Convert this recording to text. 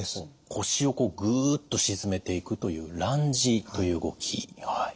腰をこうぐっと沈めていくというランジという動き。